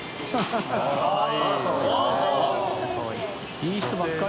いい人ばっかり。